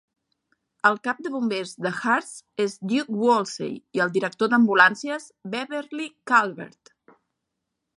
El cap de bombers de Hurst és Duke Woolsey i el director d'ambulàncies Beverly Calvert.